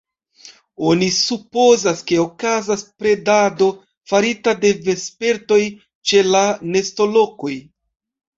Oni supozas, ke okazas predado farita de vespertoj ĉe la nestolokoj.